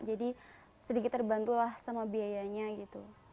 jadi sedikit terbantulah sama biayanya gitu